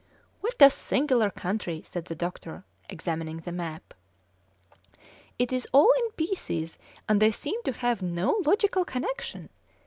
"What a singular country!" said the doctor, examining the map. "It is all in pieces, and they seem to have no logical connection.